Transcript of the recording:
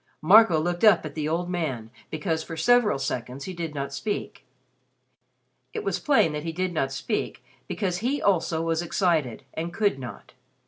Marco looked up at the old man because for several seconds he did not speak. It was plain that he did not speak because he also was excited, and could not.